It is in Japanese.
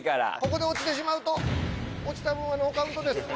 ここで落ちてしまうと落ちた分はノーカウントです。